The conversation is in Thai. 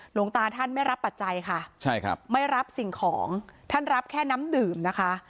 หลวงตาท่านไม่รับปัจจัยค่ะใช่ครับไม่รับสิ่งของท่านรับแค่น้ำดื่มนะคะ